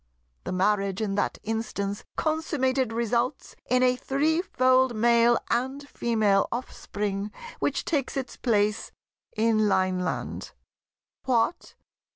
The marriage in that instance consummated results in a threefold Male and Female offspring which takes its place in Lineland." "What!